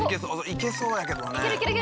いけそうだけどね。